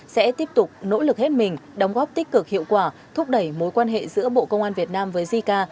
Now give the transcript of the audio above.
sẽ tiếp tục nỗ lực hết mình đóng góp tích cực hiệu quả thúc đẩy mối quan hệ giữa bộ công an việt nam với jica